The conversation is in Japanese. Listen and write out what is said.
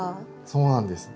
そうなんです。